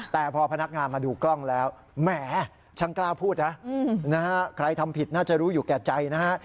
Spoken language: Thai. แต่พอพนักงานมาดูกล้องแล้วแหมช่างกล้าพูดนะใครทำผิดน่าจะรู้อยู่แก่ใจนะฮะ